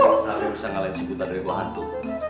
serape yang bisa ngalahin si buta dari buah hantu